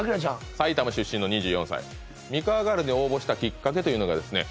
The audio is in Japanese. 埼玉出身の２４歳ミカワガールズに応募したきっかけというのがですね